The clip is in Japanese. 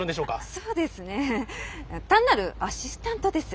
そうですね単なるアシスタントです。